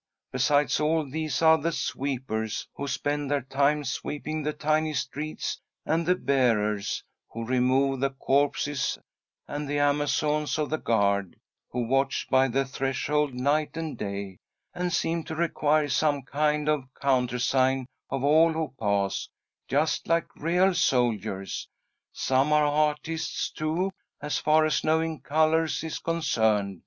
Besides all these are the sweepers, who spend their time sweeping the tiny streets, and the bearers, who remove the corpses, and the amazons of the guard, who watch by the threshold night and day, and seem to require some kind of a countersign of all who pass, just like real soldiers. Some are artists, too, as far as knowing colours is concerned.